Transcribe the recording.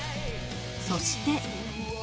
そして